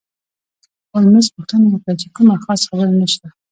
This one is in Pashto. هولمز پوښتنه وکړه چې کومه خاصه خبره شته.